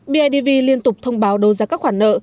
bidv liên tục thông báo đô giá các khoản nợ